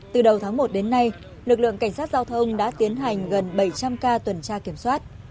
từ đầu tháng một đến nay lực lượng cảnh sát giao thông đã tiến hành gần bảy trăm linh ca tuần tra kiểm soát